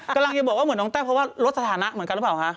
กำลังจะบอกว่าเหมือนน้องแต้วเพราะว่าลดสถานะเหมือนกันหรือเปล่าคะ